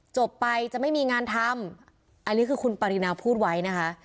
จบไปจะไม่มีงานทำอันนี้คือคุณปรินาพูดไว้นะคะ